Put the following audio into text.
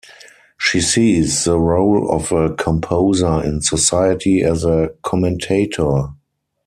She sees the role of a composer in society as a commentator.